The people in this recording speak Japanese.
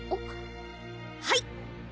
はい！